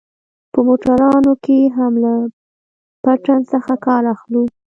په موټرانو کښې هم له پټن څخه کار اخلو.